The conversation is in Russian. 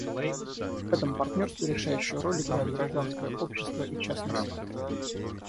В этом партнерстве решающую роль играют гражданское общество и частный сектор.